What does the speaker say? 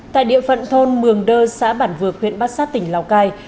tại địa phận thôn mường đơ xã bản vược huyện bát sát tỉnh lào cai